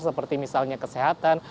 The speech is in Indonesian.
seperti misalnya kesehatan